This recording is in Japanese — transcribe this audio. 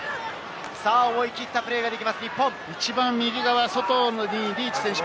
思い切ったプレーができます、日本。